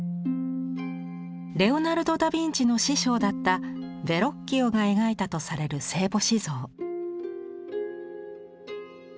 レオナルド・ダ・ヴィンチの師匠だったヴェロッキオが描いたとされる聖母子像。